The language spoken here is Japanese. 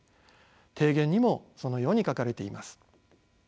提言にもそのように書かれています。